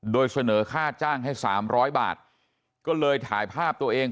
โดยเสนอค่าจ้างให้๓๐๐บาทก็เลยถ่ายภาพตัวเอง